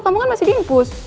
kamu kan masih dihimpus